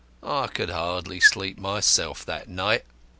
I could hardly sleep myself that night.